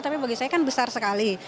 tapi bagi saya kan besar sekali